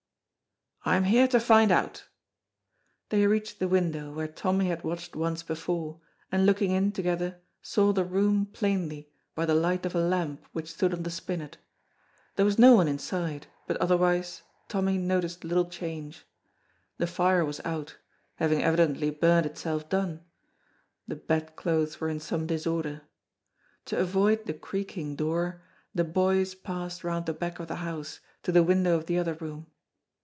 "I'm here to find out." They reached the window where Tommy had watched once before, and looking in together saw the room plainly by the light of a lamp which stood on the spinet. There was no one inside, but otherwise Tommy noticed little change. The fire was out, having evidently burned itself done, the bed clothes were in some disorder. To avoid the creaking door, the boys passed round the back of the house to the window of the other room.